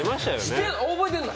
覚えてんの？